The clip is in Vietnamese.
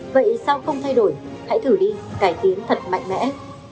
vậy sao không thay đổi hãy thử đi cải tiến thật mạnh mẽ